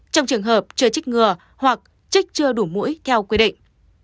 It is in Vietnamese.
trong trường hợp chưa trích ngừa hoặc trích chưa đủ mũi theo quy định